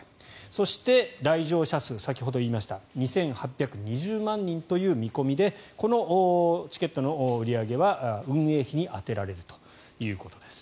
そして、来場者数先ほど言いましたが２８２０万人という見込みでこのチケットの売り上げは運営費に充てられるということです。